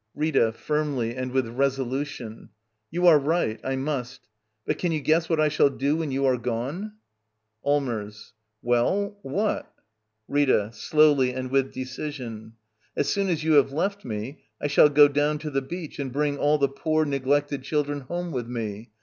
Rita. [Firmly and with resolution.] You are right. I must. But can you guess what I shall do — when you are gone? Allmers. Well, what? Rita. [Slowly and with decision.] As soon as you have left me, I shall go down to the beach, and bring all the poor, neglected children home with me.